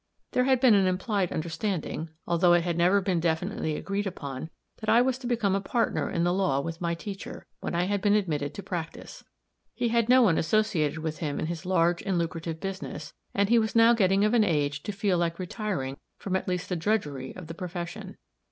There had been an implied understanding, although it had never been definitely agreed upon, that I was to become a partner in the law with my teacher, when I had been admitted to practice. He had no one associated with him in his large and lucrative business, and he was now getting of an age to feel like retiring from at least the drudgery of the profession.